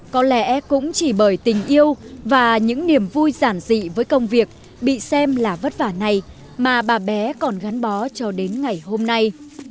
có lẽ cũng chỉ bởi tình yêu và những niềm vui giản dị với công việc bị xem là vất vả này mà bà bé còn gắn bó cho đến ngày hôm nay